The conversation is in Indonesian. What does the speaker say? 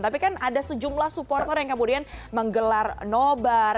tapi kan ada sejumlah supporter yang kemudian menggelar nobar